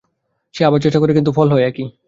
সে আবার চেষ্টা করে, কিন্তু ফল হয় একই।